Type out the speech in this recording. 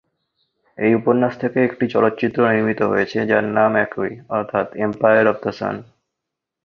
এই উপন্যাস থেকে একটি চলচ্চিত্র নির্মিত হয়েছে যার নাম একই অর্থাৎ এম্পায়ার অফ দ্য সান।